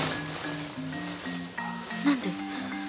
何で？